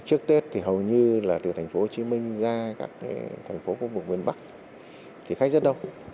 trước tết thì hầu như là từ thành phố hồ chí minh ra các thành phố khu vực miền bắc thì khách rất đông